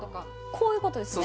こういう事ですね。